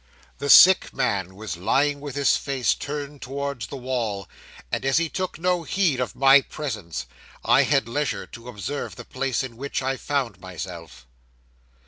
The sick man was lying with his face turned towards the wall; and as he took no heed of my presence, I had leisure to observe the place in which I found myself.